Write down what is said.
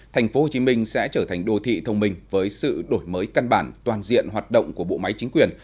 tp hcm sẽ trở thành đô thị thông minh với sự đổi mới căn bản toàn diện hoạt động của bộ máy chính quyền